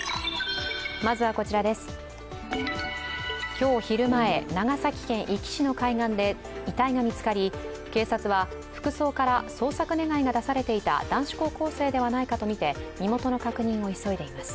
今日昼前、長崎県壱岐市の海岸で遺体が見つかり警察は服装から捜索願が出されていた男子高校生ではないかとみて身元の確認を急いでいます。